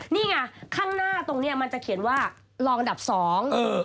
นี่ไงข้างหน้าตรงเนี้ยมันจะเขียนว่าลองอันดับสอง